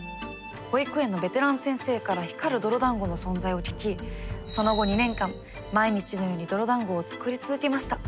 保育園のベテラン先生から光る泥だんごの存在を聞きその後２年間毎日のように泥だんごを作り続けました。